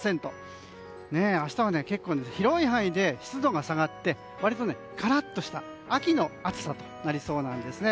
明日は結構、広い範囲で湿度が下がって割とカラッとした秋の暑さとなりそうなんですね。